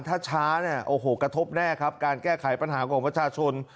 ถ้าช้าเนี่ยโอ้โหกระทบแน่ครับการแก้ไขปัญหาของประชาชน